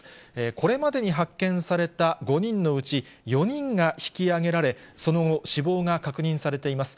これまでに発見された５人のうち、４人が引き揚げられ、その後、死亡が確認されています。